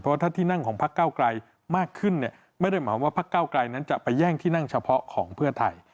เพราะถ้าที่นั่งของพักเก้าไกลมากขึ้นเนี่ยไม่ได้หมายความว่าพักเก้าไกลนั้นจะไปแย่งที่นั่งเฉพาะของเพื่อไทย